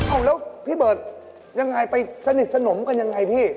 โอ้แล้วคุณบรดยังไงไปสนิทสนมกันอย่างไรพี่